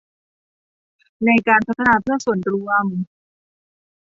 ในการพัฒนาเพื่อส่วนรวม